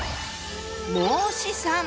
孟子さん！